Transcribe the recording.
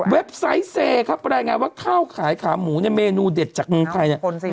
ไซต์เซครับรายงานว่าข้าวขายขาหมูเนี่ยเมนูเด็ดจากเมืองไทยเนี่ย